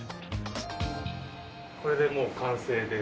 これでもう完成です。